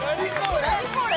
何これ！